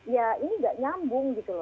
ya ini tidak nyambung